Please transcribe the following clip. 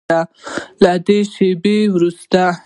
له دې شیبې وروسته